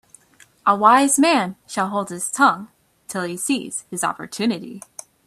A wise man shall hold his tongue till he sees his opportunity.